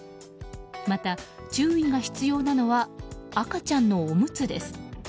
また、注意が必要なのは赤ちゃんのおむつです。